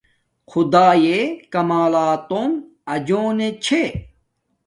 خدݳئݺ کمݳلݳتݸݣ اَجݸنݺ چھݺ.